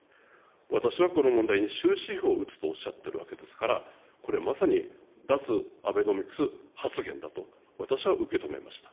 私はこの問題に終止符を打つとおっしゃっているわけですから、これまさに、脱アベノミクス発言だと、私は受け止めました。